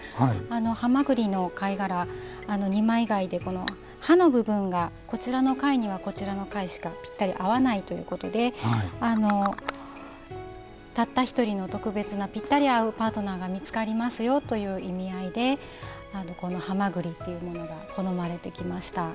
ハマグリの貝殻、二枚貝で歯の部分がこちらの貝には、こちらの貝しかぴったり合わないということでたった１人の特別なぴったり合うパートナーが見つかりますよという意味合いでこのハマグリというものが好まれてきました。